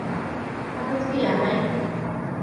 Oedd o'n sbïo arna i.